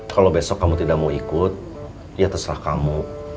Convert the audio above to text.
kalau besok kamu tidak mau ikut ya terserah kamu